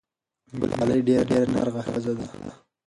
ګلالۍ ډېره نېکمرغه ښځه ده.